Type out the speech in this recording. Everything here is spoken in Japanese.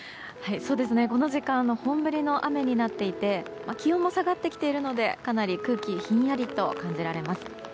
この時間本降りの雨となっていて気温も下がってきているのでかなり空気ひんやりと感じられます。